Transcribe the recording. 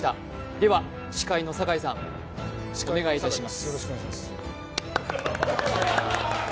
では司会の境さん、お願いします。